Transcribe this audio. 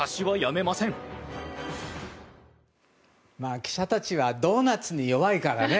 記者たちはドーナツに弱いからね。